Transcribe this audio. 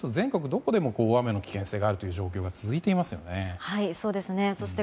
どこでも雨の危険性がある状況が続いていますよね。